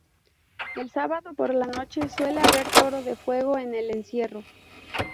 El sábado por la noche suele haber toro de fuego en el encierro.